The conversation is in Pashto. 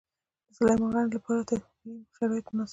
د سلیمان غر لپاره طبیعي شرایط مناسب دي.